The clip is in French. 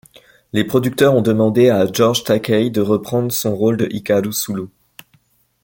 Les producteurs ont demandé à George Takei de reprendre son rôle de Hikaru Sulu.